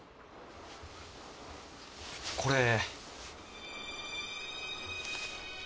これ。